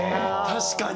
確かに！